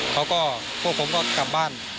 เขาก็พวกผมก็กลับบ้าน